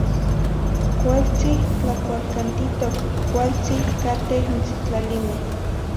Cualtzih tlacualcantitoc, cualtzih cateh n sitlalimeh ...